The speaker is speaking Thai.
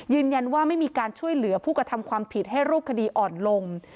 ยืนยันว่าไม่มีการช่วยเหลือผู้กระทำความผิดให้รูปคดีอ่อนลง